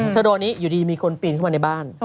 เธอโดนนี้อยู่ดีมีคนปีนเข้ามาในบ้าน